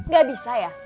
gak bisa ya